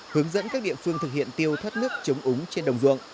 hướng dẫn các địa phương thực hiện tiêu thoát nước chống úng trên đồng ruộng